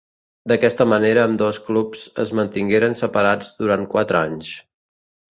D'aquesta manera ambdós clubs es mantingueren separats durant quatre anys.